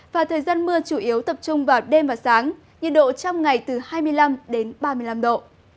và thời gian mưa chủ yếu tập trung vào đêm và sáng nhiệt độ trong ngày từ hai mươi năm ba mươi năm độ